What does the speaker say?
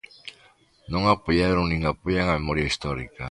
Non apoiaron nin apoian a memoria histórica.